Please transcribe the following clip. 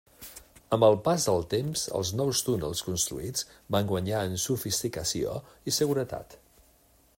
Amb el pas del temps, els nous túnels construïts van guanyar en sofisticació i seguretat.